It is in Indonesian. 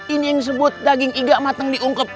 ini yang disebut daging iga mateng diungkep